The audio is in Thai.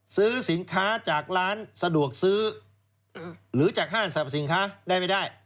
ซื้อสินค้าจากร้านสะดวกซื้อหรือจากห้างสรรพสินค้าได้ไม่ได้